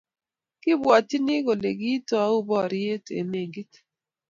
kibwotyini kole kiitou borye eng' meng'ik